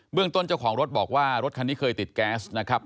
เรื่องต้นเจ้าของรถบอกว่ารถคันนี้เคยติดแก๊สนะครับ